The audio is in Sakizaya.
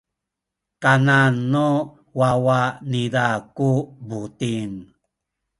kanan nu wawa niza ku buting.